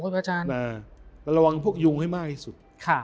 ระวังพวกยุงให้มากที่สุด